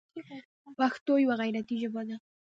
پښتو یوه غیرتي ژبه ده.